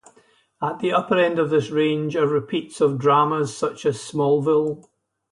At the upper end of this range are repeats of dramas such as "Smallville".